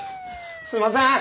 すいません。